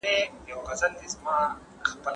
د بې نورمۍ حالت خطرناک دی.